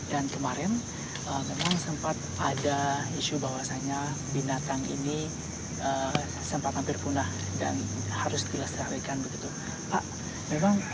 dan kemarin memang sempat ada isu bahwasanya binatang ini sempat hampir punah dan harus dilestarikan begitu